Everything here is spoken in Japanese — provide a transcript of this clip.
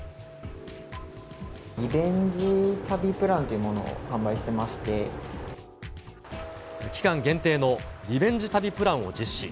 リベンジ旅プランというもの期間限定のリベンジ旅プランを実施。